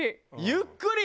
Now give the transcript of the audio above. ゆっくり！